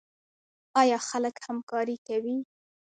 آیا خلک همکاري کوي؟